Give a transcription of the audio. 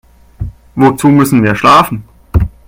Wozu müssen wir schlafen?